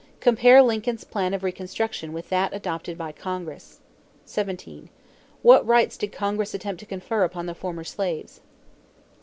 Compare Lincoln's plan of reconstruction with that adopted by Congress. 17. What rights did Congress attempt to confer upon the former slaves?